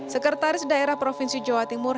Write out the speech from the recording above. sekretaris daerah provinsi jawa timur